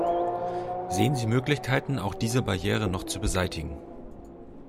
Sehen Sie Möglichkeiten, auch diese Barrieren noch zu beseitigen?